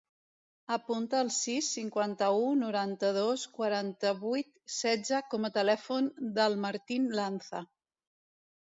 Apunta el sis, cinquanta-u, noranta-dos, quaranta-vuit, setze com a telèfon del Martín Lanza.